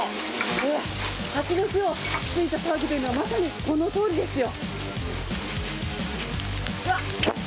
うわ、ハチの巣を突いたような騒ぎというのは、まさにこのとおりですよ。